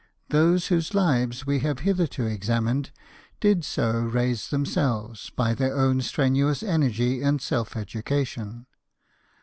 Those whose lives we have hitherto examined did so raise themselves by their own strenuous energy and self education.